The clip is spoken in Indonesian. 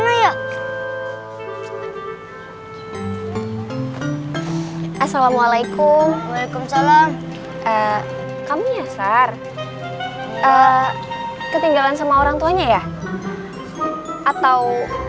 hai assalamualaikum waalaikumsalam kami ya sar ar ketinggalan sama orangtuanya ya atau